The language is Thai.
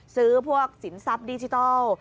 ซื้อพวกสินทรัพย์ดิจิทัล